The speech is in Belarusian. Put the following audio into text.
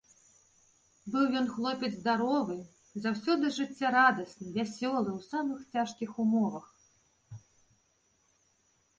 Быў ён хлопец здаровы, заўсёды жыццярадасны, вясёлы ў самых цяжкіх умовах.